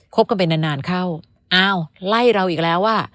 บกันไปนานนานเข้าอ้าวไล่เราอีกแล้วอ่ะ